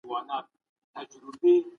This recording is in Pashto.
روڼتيا بايد رامنځته شي.